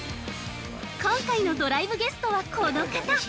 ◆今回のドライブゲストはこの方！